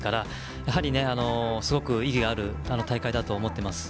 やはりすごく意義がある大会だと思っています。